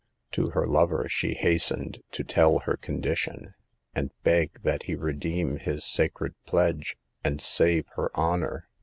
To her lover she hastened to tell her condition, ana beg that he redeem his sacred pledge, and save her honor.